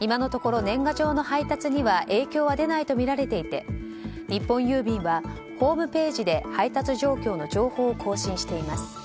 今のところ年賀状の配達には影響は出ないとみられていて日本郵便はホームページで配達状況の情報を更新しています。